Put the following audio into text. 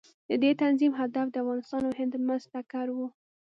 د دې تنظیم هدف د افغانستان او هند ترمنځ ټکر و.